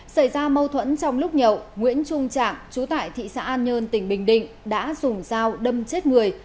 xảy ra mâu thuẫn trong lúc nhậu nguyễn trung trạng chú tại thị xã an nhơn tỉnh bình định đã dùng dao đâm chết người